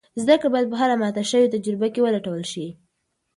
زده کړه باید په هره ماته شوې تجربه کې ولټول شي.